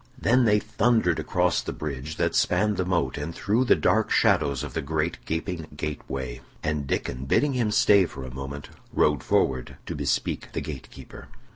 Then they thundered across the bridge that spanned the moat, and through the dark shadows of the great gaping gate way, and Diccon, bidding him stay for a moment, rode forward to bespeak the gate keeper.